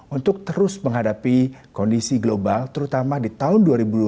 untuk terus menghadapi kondisi global terutama di tahun dua ribu dua puluh satu